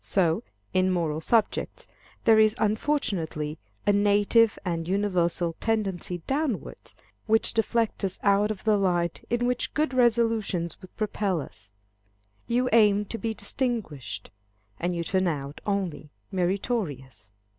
So, in moral subjects, there is unfortunately a native and universal tendency downwards, which deflects us out of the line in which good resolutions would propel us. You aim to be distinguished, and you turn out only meritorious.